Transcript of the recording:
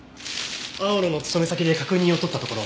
青野の勤め先で確認を取ったところ。